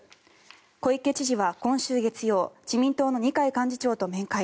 小池知事は今週月曜自民党の二階幹事長と面会。